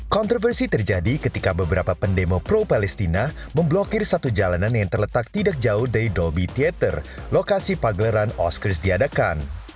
kontroversi terjadi ketika beberapa pendemo pro palestina memblokir satu jalanan yang terletak tidak jauh dari doby theater lokasi pagelaran osca diadakan